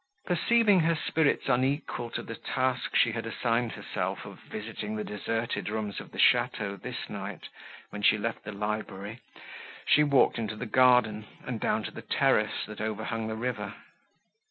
Perceiving her spirits unequal to the task she had assigned herself of visiting the deserted rooms of the château this night, when she left the library, she walked into the garden, and down to the terrace, that overhung the river.